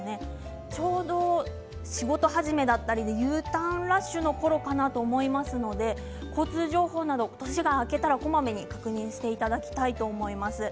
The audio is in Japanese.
ちょうど仕事始めだったりＵターンラッシュのころかなと思いますので交通情報など年が明けたらこまめに確認していただきたいと思います。